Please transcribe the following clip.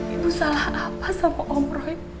ibu salah apa sama om roy